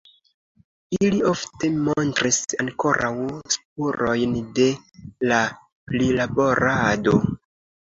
Ili ofte montris ankoraŭ spurojn de la prilaborado.